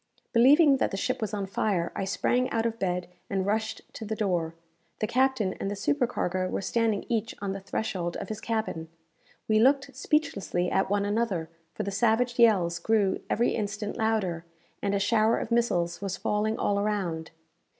Believing that the ship was on fire, I sprang out of bed and rushed to the door. The captain and the supercargo were standing each on the threshold of his cabin. We looked speechlessly at one another, for the savage yells grew every instant louder, and a shower of missiles was falling all around.